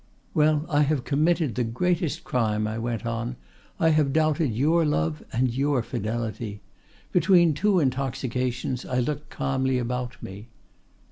'—'Well, I have committed the greatest crime,' I went on. 'I have doubted your love and your fidelity. Between two intoxications I looked calmly about me.